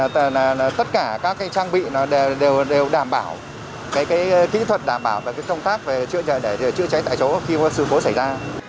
tất cả các trang bị đều đảm bảo kỹ thuật đảm bảo công tác chữa cháy tại chỗ khi sự cố xảy ra